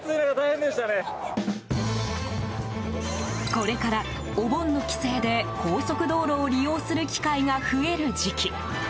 これから、お盆の帰省で高速道路を利用する機会が増える時期。